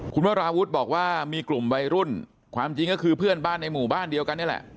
คุณวราวุฒิบอกว่ามีกลุ่มวัยรุ่นความจริงก็คือเพื่อนบ้านในหมู่บ้านเดียวกันนี่แหละ